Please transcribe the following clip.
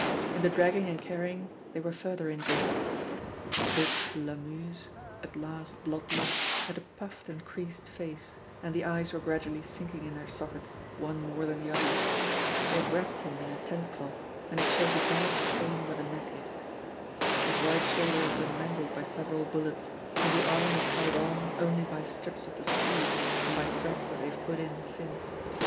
In the dragging and carrying they were further injured. Big Lamuse, at last bloodless, had a puffed and creased face, and the eyes were gradually sinking in their sockets, one more than the other. They have wrapped him in a tent cloth, and it shows a dark stain where the neck is. His right shoulder has been mangled by several bullets, and the arm is held on only by strips of the sleeve and by threads that they have put in since.